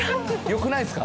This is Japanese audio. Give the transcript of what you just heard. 良くないですか？